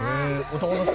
男の人？